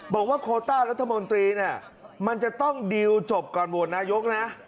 บอกว่าโคตารัฐมนตรีเนี่ยมันจะต้องดีลจบก่อนประโยคนะ